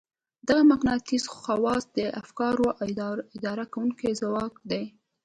دغه مقناطيسي خواص د افکارو اداره کوونکی ځواک دی.